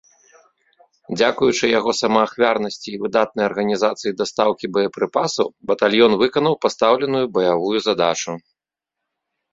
Дзякуючы яго самаахвярнасці і выдатнай арганізацыі дастаўкі боепрыпасаў батальён выканаў пастаўленую баявую задачу.